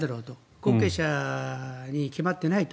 後継者に決まってないと。